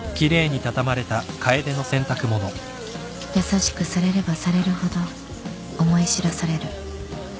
優しくされればされるほど思い知らされる